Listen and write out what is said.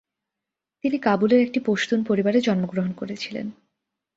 তিনি কাবুলের একটি পশতুন পরিবারে জন্মগ্রহণ করেছিলেন।